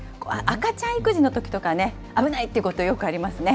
赤ちゃん育児のときとか、危ない！っていうこと、よくありますね。